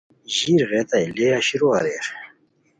ژیرغیتائے، لئے اشرو اریر